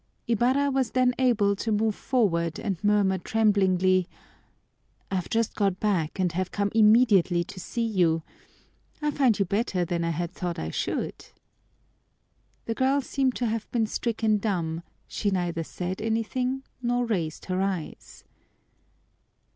Ibarra was then able to move forward and murmur tremblingly, "I've just got back and have come immediately to see you. I find you better than I had thought I should." The girl seemed to have been stricken dumb; she neither said anything nor raised her eyes.